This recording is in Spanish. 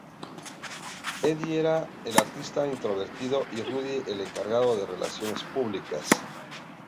Adi era el artista introvertido y Rudi el encargado de relaciones públicas.